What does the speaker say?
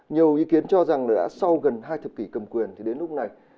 nhiều ý kiến cho rằng đã sau gần hai thập kỷ cầm quyền đến lúc này